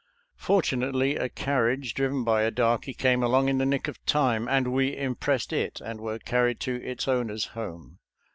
For tunately, a carriage driven by a darky came along in the nick of time, and we impressed it and were carried to its owner's home.